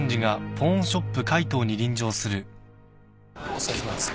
お疲れさまです。